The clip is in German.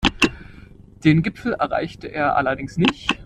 Den Gipfel erreichte er allerdings nicht.